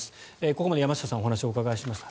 ここまで山下さんにお話をお伺いしました。